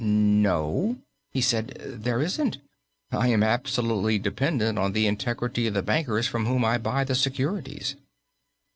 "No," he said, "there isn't. I am absolutely dependent on the integrity of the bankers from whom I buy the securities."